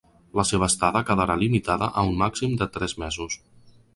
La seva estada quedarà limitada a un màxim de tres mesos.